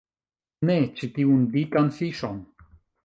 Ne, ĉi tiun dikan fiŝon